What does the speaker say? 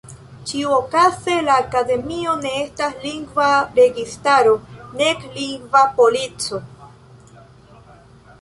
Ĉiuokaze la Akademio ne estas lingva registaro, nek lingva polico.